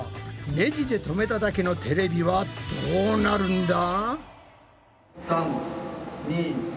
ネジでとめただけのテレビはどうなるんだ？